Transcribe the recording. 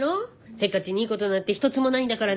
せっかちにいいことなんて一つもないんだからね。